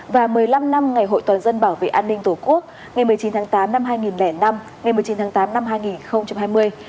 và một mươi năm năm ngày hội toàn dân bảo vệ an ninh tổ quốc ngày một mươi chín tháng tám năm hai nghìn năm ngày một mươi chín tháng tám năm hai nghìn hai mươi